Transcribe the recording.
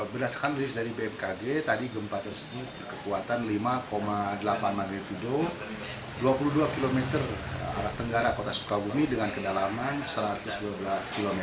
berdasarkan rilis dari bmkg tadi gempa tersebut berkekuatan lima delapan magnitudo dua puluh dua km arah tenggara kota sukabumi dengan kedalaman satu ratus dua belas km